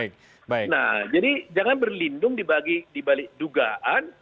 nah jadi jangan berlindung dibalik dugaan